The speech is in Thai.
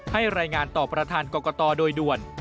ให้รายงานต่อประธานกรกตโดยด่วน